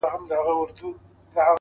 د ژوند مانا په ګټورو کارونو کې ده.!